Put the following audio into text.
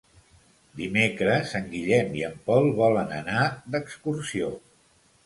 Dimecres en Guillem i en Pol volen anar d'excursió.